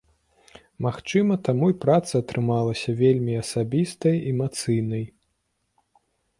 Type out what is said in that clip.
Магчыма, таму і праца атрымалася вельмі асабістай, эмацыйнай.